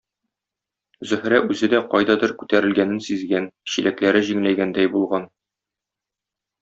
Зөһрә үзе дә кайдадыр күтәрелгәнен сизгән, чиләкләре җиңеләйгәндәй булган.